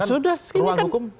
sudah ini kan